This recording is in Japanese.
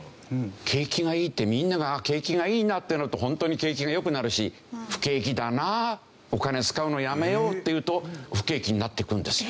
景気がいいってみんなが景気がいいなってなると本当に景気が良くなるし不景気だなお金使うのやめようって言うと不景気になっていくんですよ。